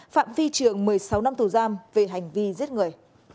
phạm vi trường một mươi sáu năm tù giam về hành vi giết người